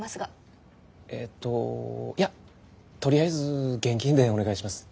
えっといやとりあえず現金でお願いします。